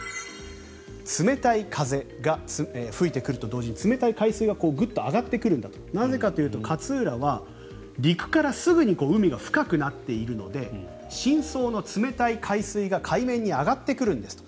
冷たい風が吹いてくると同時に冷たい海水がグッと上がってくるんだとなぜかというと勝浦は、陸からすぐに海が深くなっているので深層の冷たい海水が海面に上がってくるんですと。